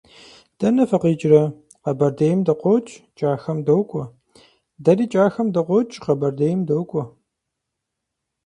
- Дэнэ фыкъикӀрэ? - Къэбэрдейм дыкъокӀ, КӀахэм докӀуэ. - Дэри КӀахэм дыкъокӀ, Къэбэрдейм докӀуэ.